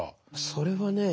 それはね